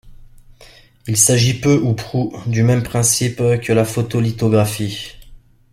Il s'agit peu ou prou du même principe que la photolithographie.